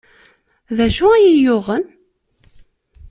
D acu ay iyi-yuɣen?